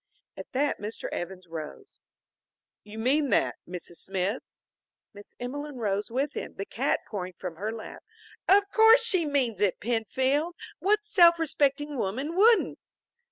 At that Mr. Evans rose. "You mean that, Mrs. Smith?" Miss Emelene rose with him, the cat pouring from her lap. "Of course she means it, Penfield. What self respecting woman wouldn't!"